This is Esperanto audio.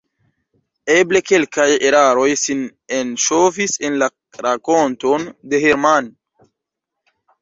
Eble kelkaj eraroj sin enŝovis en la rakonton de Hermann!